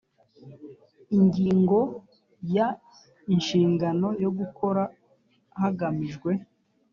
ingingo ya inshingano yo gukora hagamijwe